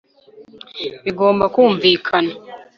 bigomba kumvikana